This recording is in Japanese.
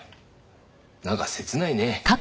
なんか切ないね。